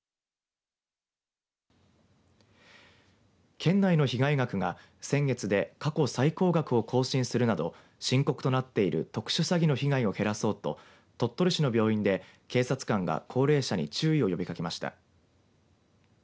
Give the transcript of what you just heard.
県内の被害額が先月で過去最高額を更新するなど深刻となっている特殊詐欺の被害を減らそうと鳥取市の病院で警察官が高齢者に注意を呼びかけました。